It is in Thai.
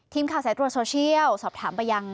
ทีมข่าวสายตัวโซเชียลสอบถามไปยัง